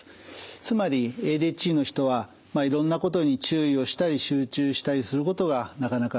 つまりＡＤＨＤの人はいろんなことに注意をしたり集中したりすることがなかなかできません。